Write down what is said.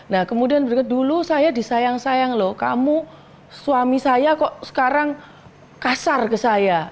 nah kemudian berikut dulu saya disayang sayang loh kamu suami saya kok sekarang kasar ke saya